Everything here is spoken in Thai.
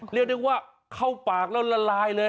เรียกได้ว่าเข้าปากแล้วละลายเลย